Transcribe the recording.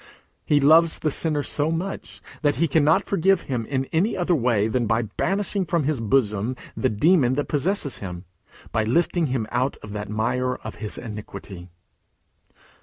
He loves the sinner so much that he cannot forgive him in any other way than by banishing from his bosom the demon that possesses him, by lifting him out of that mire of his iniquity.